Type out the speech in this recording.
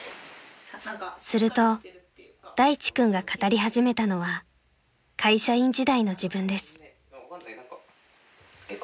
［すると大地君が語り始めたのは会社員時代の自分です］